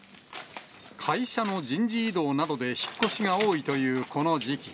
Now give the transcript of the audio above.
会社の人事異動などで引っ越しが多いというこの時期。